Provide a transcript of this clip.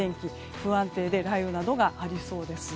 不安定で雷雨などがありそうです。